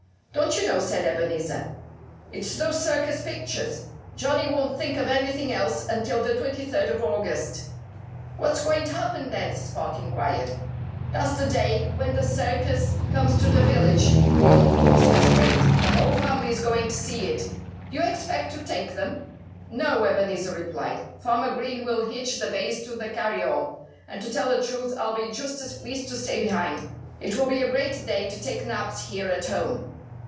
"Don't you know?" said Ebenezer. "It's those circus pictures. Johnnie won't think of anything else until the twenty third of August." "What's going to happen then?" Spot inquired. "That's the day when the circus comes to the village," the old horse explained. "The whole family's going to see it." "Do you expect to take them?" "No!" Ebenezer replied. "Farmer Green will hitch the bays to the carryall. And to tell the truth, I'll be just as pleased to stay behind. It will be a great day to take naps here at home."